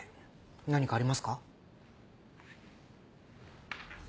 何かありますか？